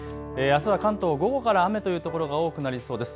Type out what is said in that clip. あすは関東午後から雨という所が多くなりそうです。